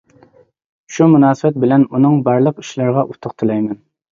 شۇ مۇناسىۋەت بىلەن، ئۇنىڭ بارلىق ئىشلىرىغا ئۇتۇق تىلەيمەن.